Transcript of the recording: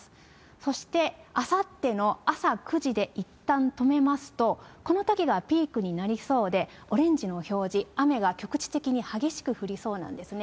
そしてあさっての朝９時でいったん止めますと、このときがピークになりそうで、オレンジの表示、雨が局地的に激しく降りそうなんですね。